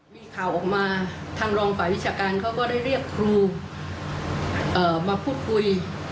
มีข่าวออกมาทางรองฝ่ายวิชาการเขาก็ได้เรียกครูมาพูดคุย